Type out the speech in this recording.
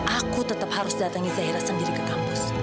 aku tetep harus datangi zahira sendiri ke kampus